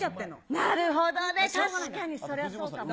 なるほどね、確かにそれはそうかも。